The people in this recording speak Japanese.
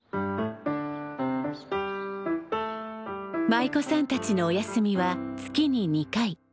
舞妓さんたちのお休みは月に２回。